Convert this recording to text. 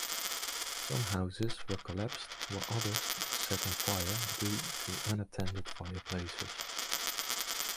Some houses collapsed while others were set on fire due to unattended fireplaces.